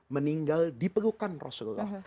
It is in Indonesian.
meninggal di pelukan rasulullah